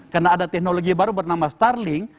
karena ada teknologi baru bernama starlink